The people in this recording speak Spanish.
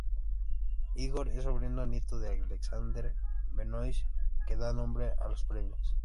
Igor es sobrino nieto de Alexandre Benois que da nombre a los Premios.